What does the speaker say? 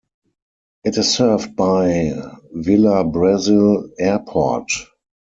It is served by Vila Brasil Airport.